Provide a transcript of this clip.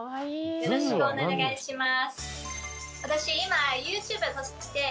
よろしくお願いします。